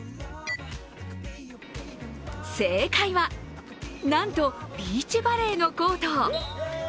正解は、なんとビーチバレーのコート。